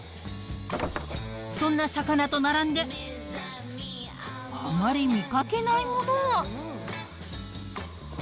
そんな魚と並んで、あまり見かけないものが。